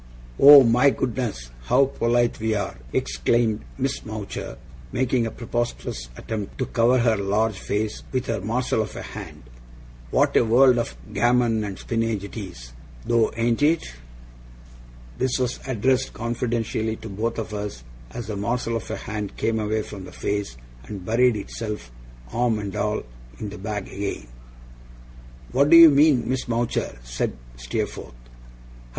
'Oh, my goodness, how polite we are!' exclaimed Miss Mowcher, making a preposterous attempt to cover her large face with her morsel of a hand. 'What a world of gammon and spinnage it is, though, ain't it!' This was addressed confidentially to both of us, as the morsel of a hand came away from the face, and buried itself, arm and all, in the bag again. 'What do you mean, Miss Mowcher?' said Steerforth. 'Ha! ha!